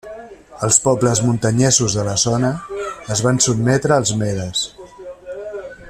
Els pobles muntanyesos de la zona es van sotmetre als medes.